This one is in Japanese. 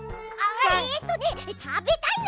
えっとね「たべたいな」。